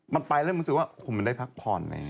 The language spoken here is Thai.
มันไปแล้วมันรู้สึกว่ามันได้พักผ่อน